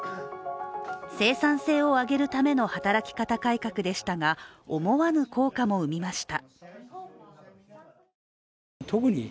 生産性を上げるための働き方改革でしたが、思わぬ効果も生みました。